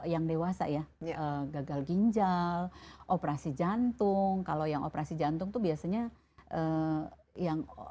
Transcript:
yang dewasa ya gagal ginjal operasi jantung kalau yang operasi jantung itu biasanya yang